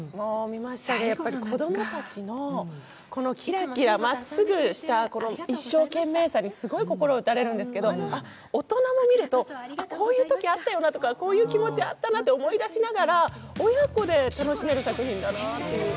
見ましたが、やっぱり子供たちのキラキラ、真っ直ぐした一生懸命さに心を打たれるんですけど、すごい心を打たれるんですけど大人も見るとこういうときあったよなとかこういう気持ちあったよなと思い出しながら親子で楽しめる作品だなという。